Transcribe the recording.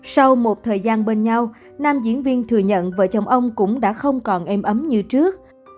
sau một thời gian bên nhau nam diễn viên thừa nhận vợ chồng ông cũng đã không còn êm ấm như trước